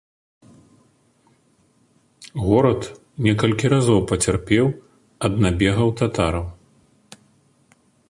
Горад некалькі разоў пацярпеў ад набегаў татараў.